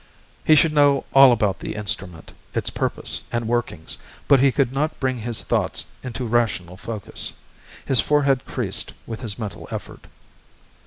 He should know all about the instrument, its purpose and workings, but he could not bring his thoughts into rational focus. His forehead creased with his mental effort.